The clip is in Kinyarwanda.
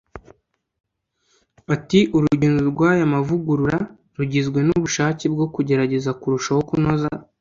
Ati “Urugendo rw’aya mavugurura rugizwe n’ubushake bwo kugerageza kurushaho kunoza